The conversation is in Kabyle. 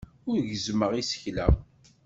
Ur gezzmeɣ isekla.